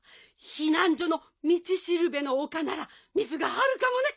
ひなんじょの道しるべの丘なら水があるかもね。